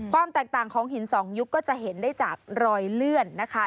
ความแตกต่างของหินสองยุคก็จะเห็นได้จากรอยเลื่อนนะคะ